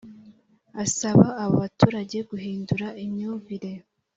Asaba abo baturage guhindura imyumvire